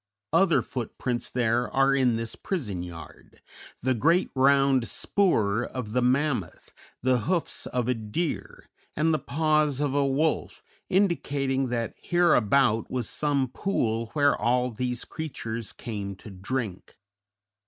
Other footprints there are in this prison yard; the great round "spoor" of the mammoth, the hoofs of a deer, and the paws of a wolf(?), indicating that hereabout was some pool where all these creatures came to drink.